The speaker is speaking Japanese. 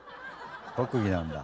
特技なんだ。